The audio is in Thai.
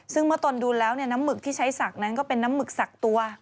ซึ่งเมื่อตนดูแล้วน้ำหมึกที่ใช้สักนั้นก็เป็นน้ำหมึกสักตัว